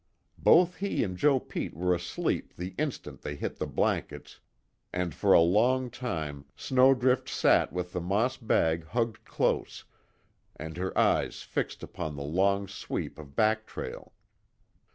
Both he and Joe Pete were asleep the instant they hit the blankets, and for a long time Snowdrift sat with the moss bag hugged close, and her eyes fixed upon the long sweep of back trail.